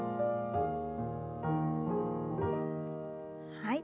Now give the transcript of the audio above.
はい。